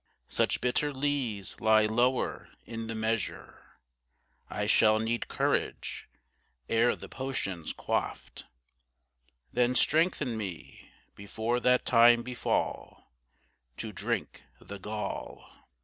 Such bitter lees lie lower in the measure, I shall need courage, ere the potion's quaffed; Then strengthen me before that time befall, To drink the gall.